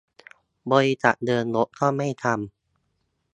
บริษัทเดินรถก็ไม่ทำ